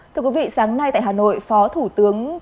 thưa quý vị sáng nay tại hà nội phó thủ tướng